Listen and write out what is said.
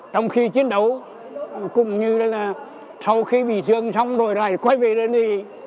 trong khi chiến đấu cũng như sau khi bị thương xong rồi quay về đến đây